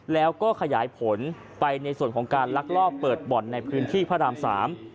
แล้วก็ขยายผลไปในส่วนของการลักลอบเปิดบ่อนในพื้นที่พระรามสาม